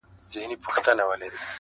پر وظیفه عسکر ولاړ دی تلاوت کوي